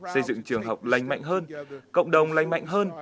xây dựng trường học lành mạnh hơn cộng đồng lành mạnh hơn